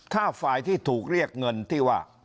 ถ้าฝ่ายที่ถูกเรียกเงินที่ว่า